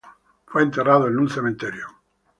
Está enterrado en el Cementerio Nacional de Arlington.